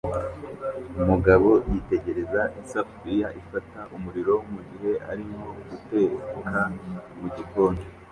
Umugabo yitegereza isafuriya ifata umuriro mugihe arimo guteka mugikoni